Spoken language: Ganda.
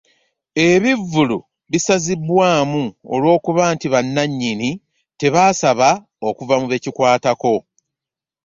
ebivvulu bisazibwamu olwokuba nti bannanyini tebaasaba okuva mu be kikwatako.